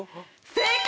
正解！